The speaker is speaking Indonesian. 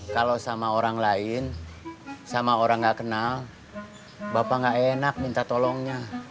kalau sama orang lain sama orang nggak kenal bapak nggak enak minta tolongnya